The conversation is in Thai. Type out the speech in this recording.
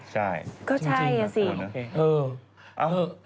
ใช่จริงแหละครับนะครับโอเคเออเอาเหอะ